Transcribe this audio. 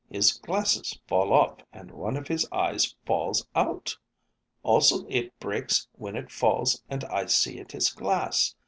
His glasses fall off and one of his eyes falls out! Also, it breaks when it falls and I see it is glass.